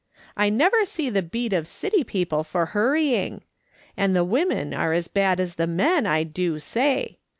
I never see the beat of city people for hurrying ! And the women are as bad as the men, I do say !